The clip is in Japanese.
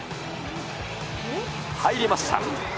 入りました。